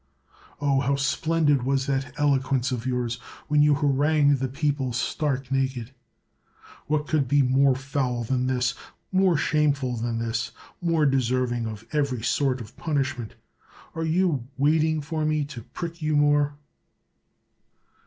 Oh, how splendid was that eloquence of yours, when you haranged the people stark naked! What could be more foul than this? more shame ful than this? more deserving of every sort of punishment? Are you waiting for me to prick you more